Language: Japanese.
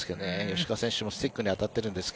吉川選手もスティックに当たってるんですが。